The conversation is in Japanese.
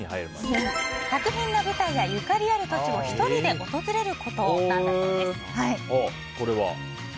作品の舞台やゆかりある土地を１人で訪れることなんだそうです。